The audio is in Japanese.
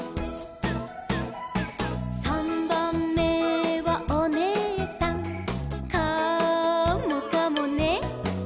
「さんばんめはおねえさん」「カモかもね」